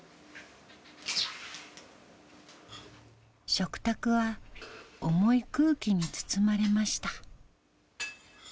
食卓は重い空気に包まれました。